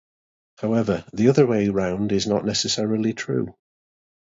However, the other way around is not necessarily true.